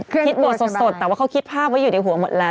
คิดบทสดแต่ว่าเขาคิดภาพไว้อยู่ในหัวหมดแล้ว